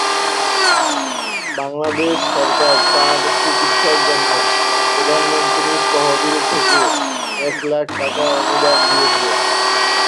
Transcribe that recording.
বাংলাদেশ সরকার তার চিকিৎসার জন্য প্রধানমন্ত্রীর তহবিল থেকে এক লাখ টাকা অনুদান দিয়েছিল